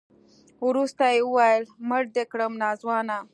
وروسته يې وويل مړ دې کړم ناځوانه.